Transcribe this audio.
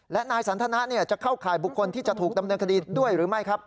และนายสันทนะจะเข้าข่ายบุคคลที่จะถูกดำเนินคดีด้วยหรือไม่ครับ